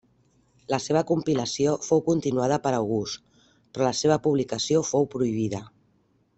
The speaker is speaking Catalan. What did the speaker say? La seva compilació fou continuada per August, però la seva publicació fou prohibida.